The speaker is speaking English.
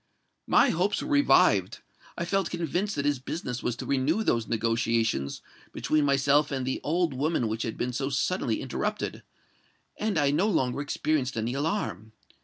My hopes were revived—I felt convinced that his business was to renew those negotiations between myself and the old woman which had been so suddenly interrupted; and I no longer experienced any alarm.